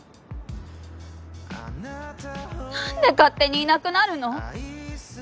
何で勝手にいなくなるの？